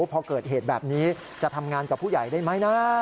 พอเกิดเหตุแบบนี้จะทำงานกับผู้ใหญ่ได้ไหมนะ